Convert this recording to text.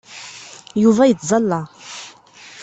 Yuba yettẓalla.